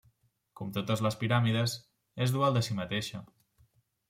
Com totes les piràmides, és dual de si mateixa.